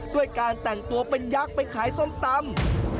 ด้วยการแต่งตัวเป็นยักษ์ไปขายส้มตำ